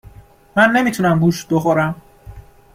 من نمی تونم گوشت بخورم